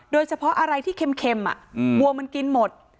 โดยเฉพาะอะไรที่เค็มวัวมันกินหมด